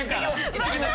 行ってきます。